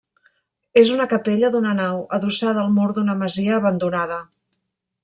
És una capella d'una nau, adossada al mur d'una masia abandonada.